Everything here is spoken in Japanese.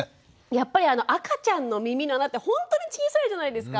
やっぱり赤ちゃんの耳の穴ってほんとに小さいじゃないですか。